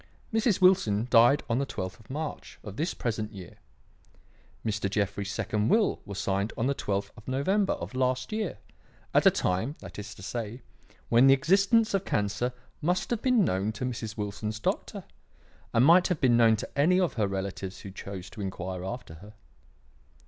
Mrs. Wilson died on the twelfth of March of this present year. Mr. Jeffrey's second will was signed on the twelfth of November of last year; at a time, that is to say, when the existence of cancer must have been known to Mrs. Wilson's doctor, and might have been known to any of her relatives who chose to inquire after her.